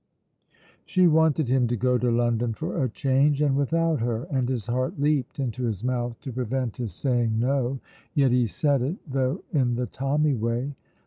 She wanted him to go to London for a change, and without her, and his heart leaped into his mouth to prevent his saying No; yet he said it, though in the Tommy way.